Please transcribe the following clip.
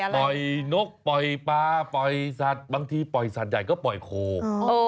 ปล่อยนกปล่อยปลาปล่อยสัตว์บางทีปล่อยสัตว์ใหญ่ก็ปล่อยโค